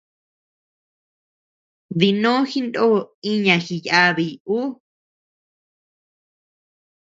Dinó jindo iña jiyabiy ú.